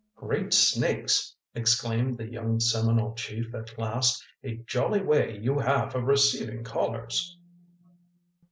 "Great snakes!" exclaimed the young Seminole chief at last. "A jolly way you have of receiving callers!"